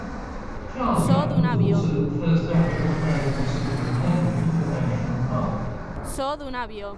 Charles Young was also the first African American superintendent of a national park.